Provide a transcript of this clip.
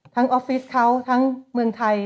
ออฟฟิศเขาทั้งเมืองไทย